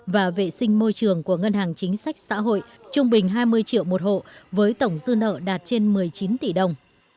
và vệ sinh môi trường của ngân hàng chính sách xã hội trung bình hai mươi triệu một hộ với tổng dư nợ đạt trên một mươi chín tỷ đồng